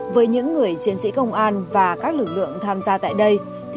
với những người chiến sĩ công an và các lực lượng tham gia tại đây